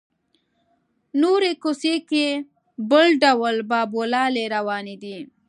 نورې کوڅې کې بل ډول بابولالې روانې دي.